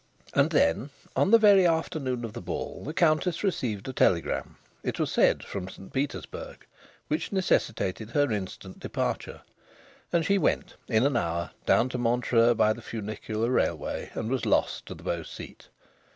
And then, on the very afternoon of the ball, the Countess received a telegram it was said from St Petersburg which necessitated her instant departure. And she went, in an hour, down to Montreux by the funicular railway, and was lost to the Beau Site.